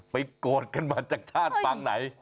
โกรธกันมาจากชาติปางไหน